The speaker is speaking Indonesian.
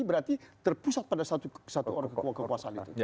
berarti terpusat pada satu orang kekuasaan itu